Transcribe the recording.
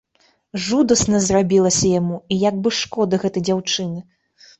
Жудасна зрабілася яму і як бы шкода гэтай дзяўчыны.